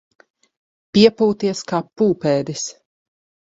Piepūties kā pūpēdis.